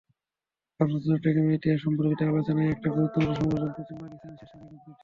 পার্বত্য চট্টগ্রামের ইতিহাস সম্পর্কিত আলোচনায় একটা গুরুত্বপূর্ণ সংযোজন পশ্চিম পাকিস্তানের শেষ রাজা গ্রন্থটি।